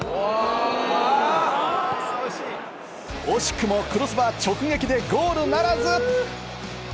惜しくもクロスバー直撃でゴールならず！